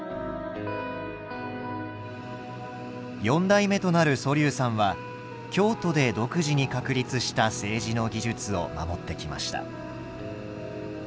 四代目となる蘇嶐さんは京都で独自に確立した青磁の技術を守ってきました。